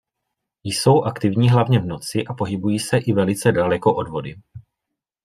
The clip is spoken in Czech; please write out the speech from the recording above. Jsou aktivní hlavně v noci a pohybují se i velice daleko od vody.